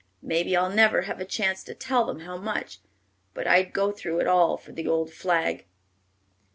Maybe I'll never have a chance to tell them how much; but I'd go through it all for the old flag.'"